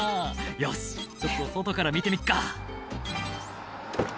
「よしちょっと外から見てみっか」